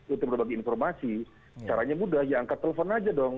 untuk berbagi informasi caranya mudah ya angkat telepon aja dong